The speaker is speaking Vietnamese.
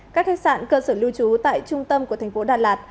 các khách sạn cơ sở lưu trú tại trung tâm của thành phố đà lạt